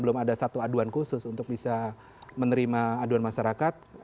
belum ada satu aduan khusus untuk bisa menerima aduan masyarakat